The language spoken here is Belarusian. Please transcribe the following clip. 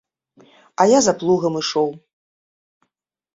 А я за плугам ішоў.